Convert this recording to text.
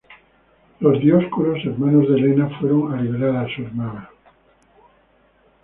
Los Dioscuros, hermanos de Helena, fueron a liberar a su hermana.